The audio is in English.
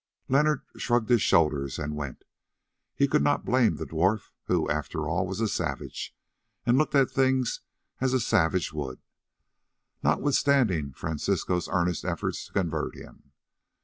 Leonard shrugged his shoulders and went. He could not blame the dwarf, who after all was a savage and looked at things as a savage would, notwithstanding Francisco's earnest efforts to convert him.